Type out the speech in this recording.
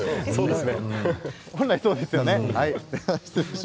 本来はそうですね。